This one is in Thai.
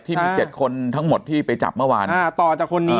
ที่มี๗คนทั้งหมดที่ไปจับเมื่อวาน